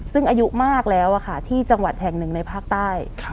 ซึ่งอายุมากแล้วที่จังหวัดแห่งหนึ่งในภาคใต้